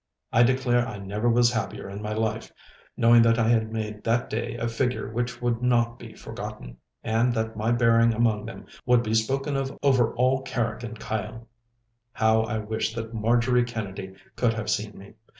I declare I never was happier in my life, knowing that I had made that day a figure which would not be forgotten, and that my bearing among them would be spoken of over all Carrick and Kyle. How I wished that Marjorie Kennedy could have seen me.